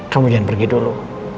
kamu jangan pergi dulu